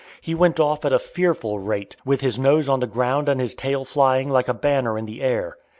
He went off at a fearful rate, with his nose on the ground and his tail flying like a banner in the air.